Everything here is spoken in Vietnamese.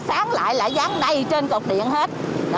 sáng lại lại dán đầy trên cọc điện hết